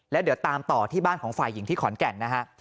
แล้วเดี๋ยวตามต่อที่บ้านของฝ่ายหญิงที่ขอนแก่นนะฮะ